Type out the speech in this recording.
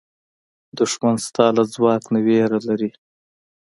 دښمن ستا له ځواک نه وېره لري